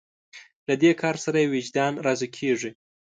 له دې کار سره یې وجدان راضي کېږي.